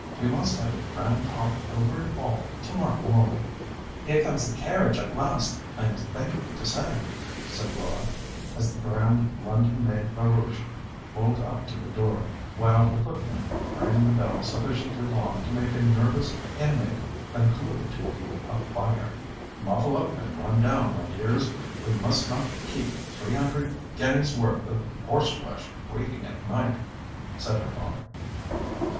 We must have a grand talk over it all to morrow morning." "Here comes the carriage at last, I am thankful to say," said Laura, as the grand London made barouche rolled up to the door, while the footman rang the bell sufficiently long to make a nervous inmate conclude it to be a fire. "Muffle up and run down, my dears! We must not keep three hundred guineas' worth of horseflesh waiting at night," said her father.